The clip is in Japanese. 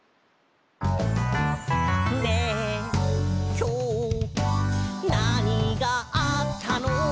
「ねえ、きょう、なにがあったの？」